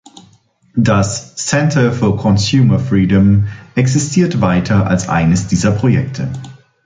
Das "Center for Consumer Freedom" existiert weiter als eines dieser Projekte.